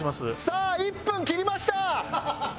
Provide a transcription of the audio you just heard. さあ１分切りました！